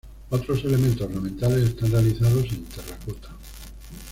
Otros elementos ornamentales están realizados en terracota.